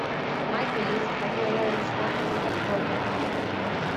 Mike Mills nació en Orange County, California.